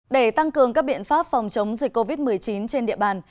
để tăng cường các biện pháp phòng chống dịch covid một mươi chín trên địa bàn